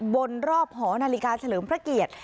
บนรอบหอนาฬิกาเฉลิมพระเกียรติ